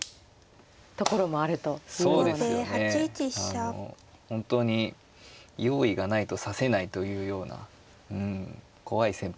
あの本当に用意がないと指せないというようなうん怖い戦法だと思います。